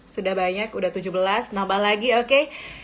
sudah banyak sudah tujuh belas nambah lagi oke